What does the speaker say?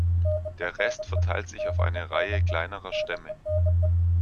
Der Rest verteilt sich auf eine Reihe kleinerer Stämme.